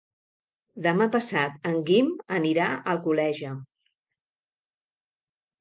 Demà passat en Guim anirà a Alcoleja.